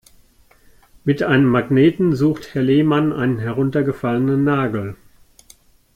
Mit einem Magneten sucht Herr Lehmann einen heruntergefallenen Nagel.